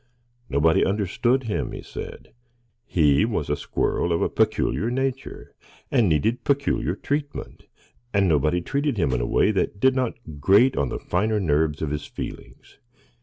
Nobody understood him, he said;—he was a squirrel of a peculiar nature, and needed peculiar treatment, and nobody treated him in a way that did not grate on the finer nerves of his feelings.